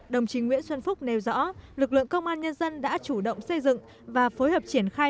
đồng chí nguyễn xuân phúc nêu rõ lực lượng công an nhân dân đã chủ động xây dựng và phối hợp triển khai